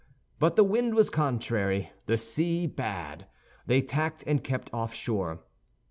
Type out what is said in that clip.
But the wind was contrary, the sea bad; they tacked and kept offshore.